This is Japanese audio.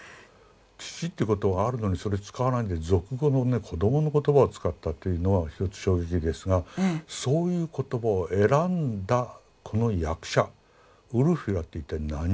父っていう言葉があるのにそれ使わないで俗語のね子どもの言葉を使ったというのはちょっと衝撃ですがそういう言葉を選んだこの訳者ウルフィラって一体何者なんだろう。